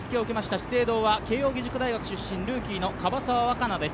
資生堂は慶応義塾大学出身ルーキーの樺沢和佳奈です。